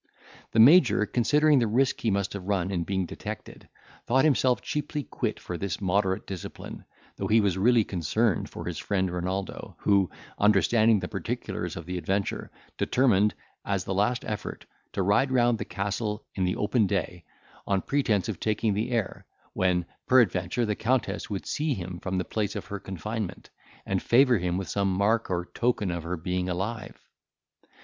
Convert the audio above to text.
The Major, considering the risk he must have run in being detected, thought himself cheaply quit for this moderate discipline, though he was really concerned for his friend Renaldo, who, understanding the particulars of the adventure, determined, as the last effort, to ride round the castle in the open day, on pretence of taking the air, when, peradventure, the Countess would see him from the place of her confinement, and favour him with some mark or token of her being alive.